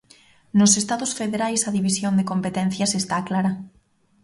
Nos Estados federais a división de competencias está clara.